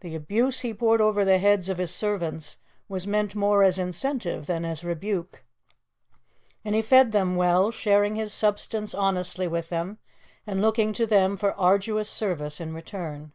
The abuse he poured over the heads of his servants was meant more as incentive than as rebuke, and he fed them well, sharing his substance honestly with them, and looking to them for arduous service in return.